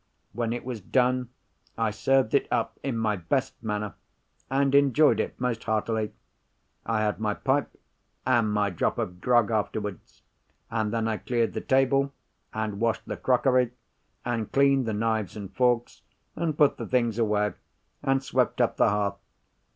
When it was done, I served it up in my best manner, and enjoyed it most heartily. I had my pipe and my drop of grog afterwards; and then I cleared the table, and washed the crockery, and cleaned the knives and forks, and put the things away, and swept up the hearth.